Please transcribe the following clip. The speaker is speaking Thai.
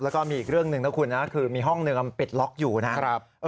แล้วก็มีอีกเรื่องหนึ่งนะคุณนะคือมีห้องหนึ่งปิดล็อกอยู่นะครับ